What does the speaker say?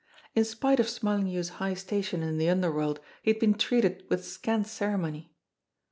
In spite of Smarlinghue's high station in the underworld, he had been treated with scant ceremony